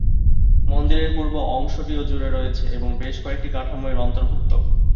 মন্দিরের পূর্ব অংশটি ও জুড়ে রয়েছে এবং বেশ কয়েকটি কাঠামো এর অন্তর্ভুক্ত।